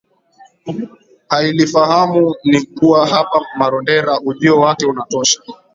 hailifahamu ni kuwa hapa Marondera ujio wake unatosha